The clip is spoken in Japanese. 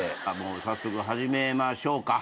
早速始めましょうか。